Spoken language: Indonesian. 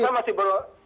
masa masih ber